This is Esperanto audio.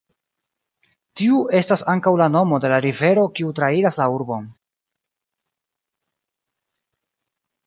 Tiu estas ankaŭ la nomo de la rivero kiu trairas la urbon.